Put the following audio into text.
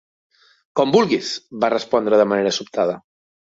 "Com vulguis", va respondre de manera sobtada.